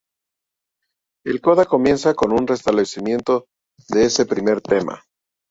El coda comienza con un restablecimiento de ese primer tema.